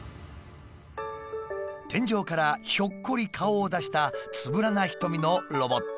天井からひょっこり顔を出したつぶらな瞳のロボット。